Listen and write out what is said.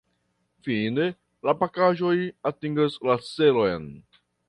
Fine la pakaĵoj atingas la celon.